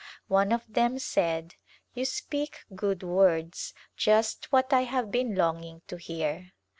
One of them said, " You speak good words, just what I have been longing to hear."